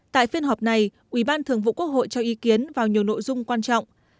tại phiên họp này ủy ban thường vụ quốc hội cho ý kiến vào nhiều nội dung quan trọng